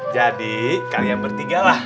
jadi kalian bertigalah